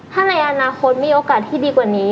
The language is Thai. ถ้าในอนาคตมีโอกาสที่ดีกว่านี้